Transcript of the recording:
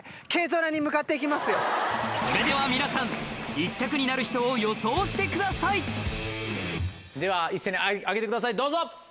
それでは皆さん１着になる人を予想してくださいでは一斉に上げてくださいどうぞ！